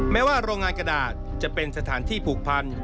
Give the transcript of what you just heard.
แม้ว่าโรงงานกระดาษจะเป็นสถานที่ผูกพัน